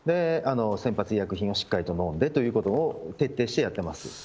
先発医薬品をしっかり飲んでということを、徹底してやってます。